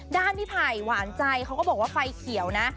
พี่ไผ่หวานใจเขาก็บอกว่าไฟเขียวนะ